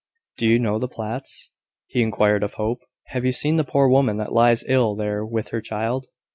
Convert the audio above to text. "Do you know the Platts?" he inquired of Hope. "Have you seen the poor woman that lies ill there with her child?"